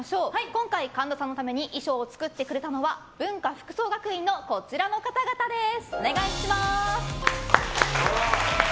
今回、神田さんのために衣装を作ってくれたのは文化服装学院のこちらの方々です。